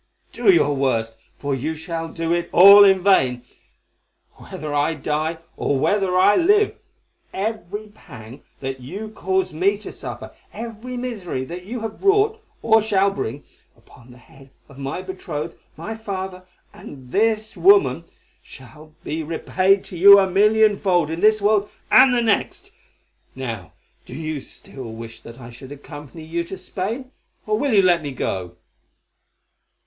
Do your worst, for you shall do it all in vain. Whether I die or whether I live, every pang that you cause me to suffer, every misery that you have brought, or shall bring, upon the head of my betrothed, my father, and this woman, shall be repaid to you a millionfold in this world and the next. Now do you still wish that I should accompany you to Spain, or will you let me go?"